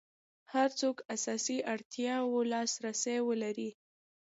هر څوک اساسي اړتیاوو لاس رسي ولري.